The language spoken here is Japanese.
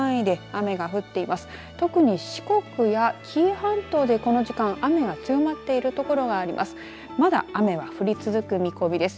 特に四国や紀伊半島でこの時間、雨が強まっている所があります。